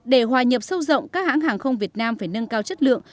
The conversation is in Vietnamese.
để hòa nhập sâu rộng các hãng hàng không việt nam phải nâng cao chất lượng